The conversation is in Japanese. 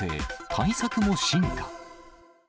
対策も進化。